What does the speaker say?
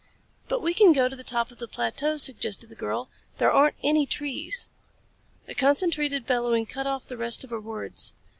"But we can go to the top of the plateau," suggested the girl. "There aren't any trees " A concentrated bellowing cut off the rest of her words.